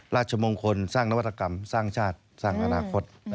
ราชมงคลสร้างนวัตกรรมสร้างชาติสร้างอนาคต